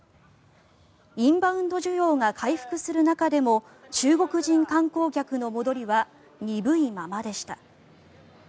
インバウンド需要が回復する中でも中国人観光客の戻りは鈍いままでした。